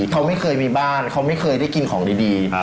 เขาไม่เคยมีบ้านเขาไม่เคยได้กินของดี